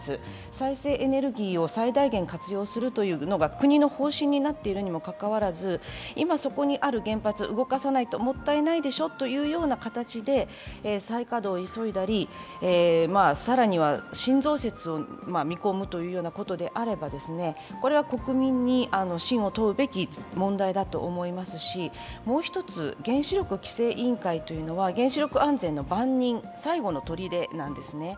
再生エネルギーを最大限活用するというのが国の方針になっているにもかかわらず、今、そこにある原発を動かさないともったいないでしょという形で再稼働を急いだり、更には新増設を見込むということであれば、これは国民に信を問うべき問題だと思いますしもう一つ、原子力規制委員会というのは原子力安全の番人、最後のとりでなんですね。